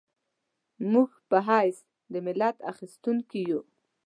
موږ په حیث د ملت اخیستونکي یو.